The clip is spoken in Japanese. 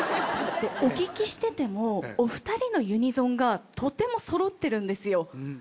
お聴きしててもお二人のユニゾンがとてもそろっているんですよ。